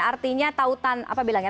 artinya tautan apa bilangnya